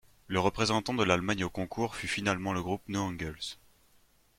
Le représentant de l'Allemagne au concours fut finalement le groupe No Angels.